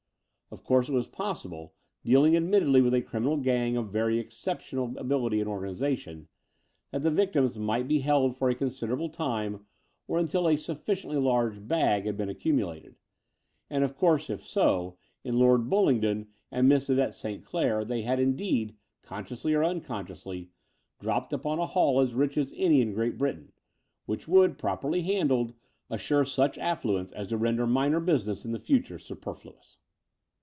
Of course it was possible, dealing ad mittedly with a criminal gang of very excepticmal ability and organization, that the victims might be held for a considerable time or until a suflSdently large bag " had been accumtdated : and, of course, if so, in Lord BuUingdon and Miss Yvette St. Clair they had indeed, consciously or unconsciously, dropped upon a haul as rich as any in Great Brit ain, which would, properly handled, assure such affluence as to render minor business in the future superfluous.